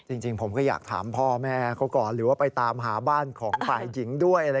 จริงผมก็อยากถามพ่อแม่เขาก่อนหรือว่าไปตามหาบ้านของฝ่ายหญิงด้วย